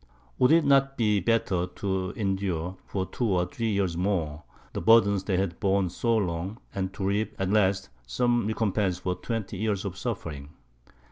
Would it not be better to endure, for two or three years more, the burdens they had borne so long, and to reap at last some recompense for twenty years of suffering?